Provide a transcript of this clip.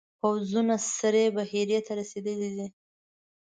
پوځونه سرې بحیرې ته رسېدلي دي.